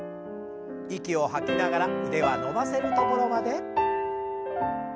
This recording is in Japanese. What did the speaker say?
息を吐きながら腕は伸ばせるところまで。